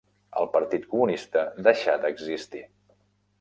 El Partit Comunista deixà d'existir.